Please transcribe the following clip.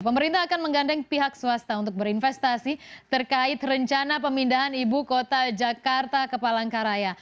pemerintah akan menggandeng pihak swasta untuk berinvestasi terkait rencana pemindahan ibu kota jakarta ke palangkaraya